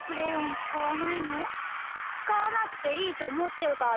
つかわなくていいとおもってるからだよ。